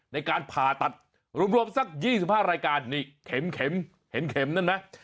ในการผ่าตัดรวมรวมสักยี่สิบห้ารายการนี่เข็มเข็มเห็นเข็มนั่นไหม